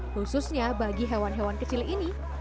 khususnya bagi hewan hewan kecil ini